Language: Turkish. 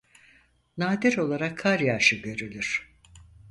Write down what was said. Nadir olarak kar yağışı görülür.